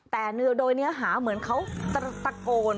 แต่โดยเนื้อหาเหมือนเขาตะโกน